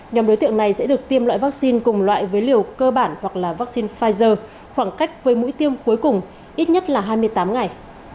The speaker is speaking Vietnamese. nhóm đối tượng này sẽ được tiêm loại vaccine cùng loại với liều cơ bản hoặc là vaccine pfizer khoảng cách với mũi tiêm cuối cùng ít nhất là hai mươi tám ngày